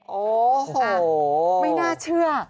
โอ้โหไม่น่าเชื่อ